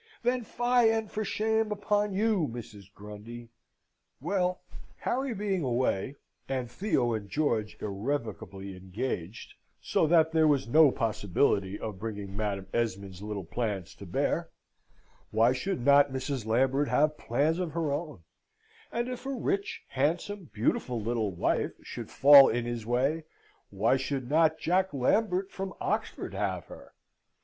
Then fie and for shame upon you, Mrs. Grundy! Well, Harry being away, and Theo and George irrevocably engaged, so that there was no possibility of bringing Madam Esmond's little plans to bear, why should not Mrs. Lambert have plans of her own; and if a rich, handsome, beautiful little wife should fall in his way, why should not Jack Lambert from Oxford have her?